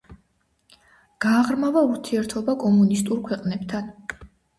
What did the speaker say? გააღრმავა ურთიერთობა კომუნისტურ ქვეყნებთან.